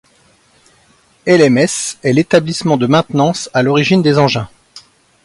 Hellemmes est l'établissement de maintenance à l’origine des engins.